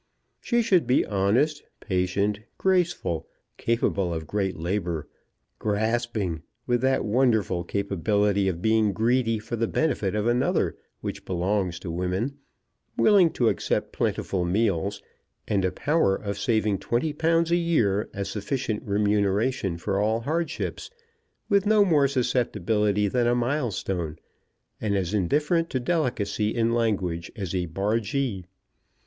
She should be honest, patient, graceful, capable of great labour, grasping, with that wonderful capability of being greedy for the benefit of another which belongs to women, willing to accept plentiful meals and a power of saving £20 a year as sufficient remuneration for all hardships, with no more susceptibility than a milestone, and as indifferent to delicacy in language as a bargee.